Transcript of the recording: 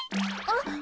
あっ！